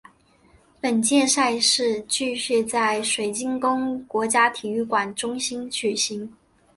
本届赛事继续在水晶宫国家体育中心举行。